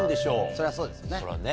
そりゃそうですよね。